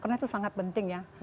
karena itu sangat penting ya